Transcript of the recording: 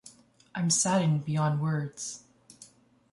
I'm saddened beyond words.